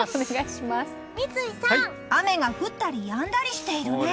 三井さん雨が降ったりやんだりしているね。